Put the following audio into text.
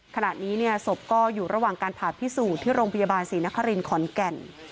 ขณะนี้ศพก็อยู่ระหว่างการผ่าพิสูจน์ที่โรงพยาบาลศรีนครินขอนแก่น